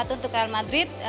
tiga satu untuk real madrid